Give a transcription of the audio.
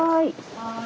はい。